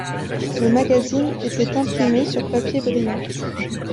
Le magazine était imprimé sur papier brillant.